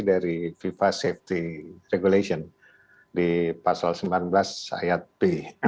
dari fifa safety regulation di pasal sembilan belas ayat b